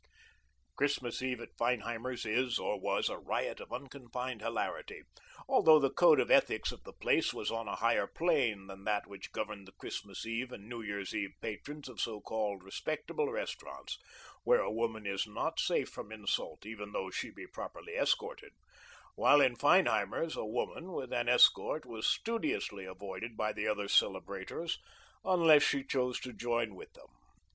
Christmas Eve at Feinheimer's is, or was, a riot of unconfined hilarity, although the code of ethics of the place was on a higher plane than that which governed the Christmas Eve and New Year's Eve patrons of so called respectable restaurants, where a woman is not safe from insult even though she be properly escorted, while in Feinheimer's a woman with an escort was studiously avoided by the other celebrators unless she chose to join with them.